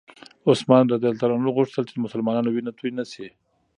عثمان رض غوښتل چې د مسلمانانو وینه توی نه شي.